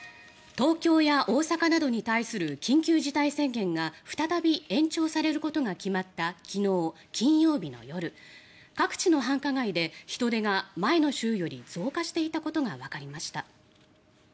東京や大阪などに対する緊急事態宣言が再び延長されることが決まった昨日、金曜日の夜各地の繁華街で人出が前の週より増加していたことがわかりました。